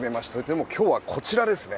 でも今日は、こちらですね。